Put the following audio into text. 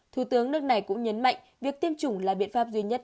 thủ tướng nước này cũng nhấn mạnh việc tiêm chủng là biện pháp duy nhất